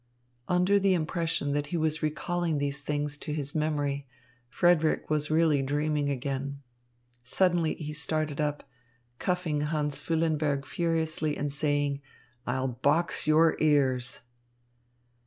Under the impression that he was recalling these things to his memory, Frederick was really dreaming again. Suddenly he started up, cuffing Hans Füllenberg furiously and saying: "I'll box your ears."